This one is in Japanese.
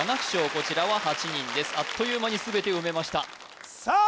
こちらは８人ですあっという間に全て埋めましたさあ